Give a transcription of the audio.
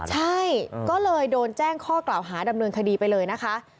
ใช่ก็เลยโดนแจ้งข้อกล่าวหาดำเนินคดีไปเลยนะคะ